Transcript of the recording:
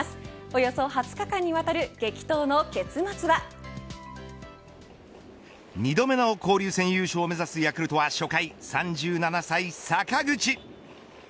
およそ２０日間にわたる２度目の交流戦優勝を目指すヤクルトは初回３７歳、坂口。